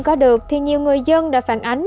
có được thì nhiều người dân đã phản ánh